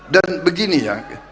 dan begini ya